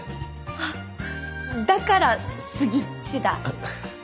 あっだから「スギッチ」だ。